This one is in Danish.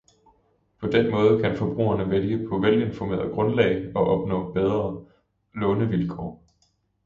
På den måde kan forbrugerne vælge på velinformeret grundlag og opnå bedre lånevilkår.